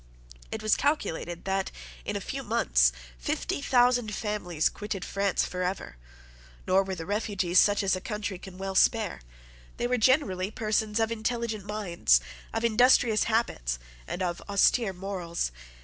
It was calculated that, in a few months, fifty thousand families quitted France for ever. Nor were the refugees such as a country can well spare. They were generally persons of intelligent minds, of industrious habits, and of austere morals.